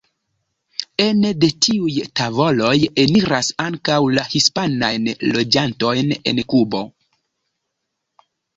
Ene de tiuj tavoloj eniras ankaŭ la hispanajn loĝantojn en Kubo.